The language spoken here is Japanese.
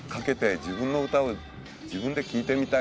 「自分の歌を自分で聴いてみたい」